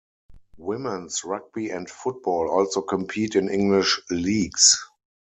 Women's rugby and football also compete in English leagues.